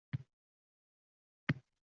Sezarь va men endi abadul abad